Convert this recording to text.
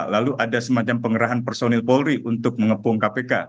lalu ada semacam pengerahan personil polri untuk mengepung kpk